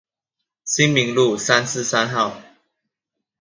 新明路三四三號